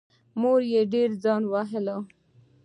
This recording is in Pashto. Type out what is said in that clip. مور یې ډېر ځان وواهه.